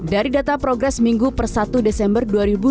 dari data progres minggu per satu desember dua ribu dua puluh